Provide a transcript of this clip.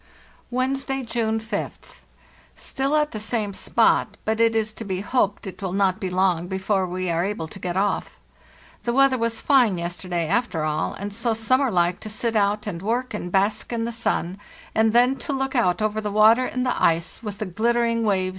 "Wednesday, June 5th. Still at the same spot, but it is to be hoped it will not be long before we are able to get off. The weather was fine yesterday, after all, and so summer like to sit out and work and bask in the sun; and then to look out over the water and the ice, with the glittering waves and snow!